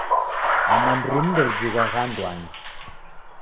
Nyamandu rimu nderijighwagha anduangi.